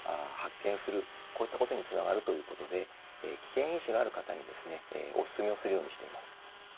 こういったことにつながるということで危険因子がある方にですねおすすめをするようにしています。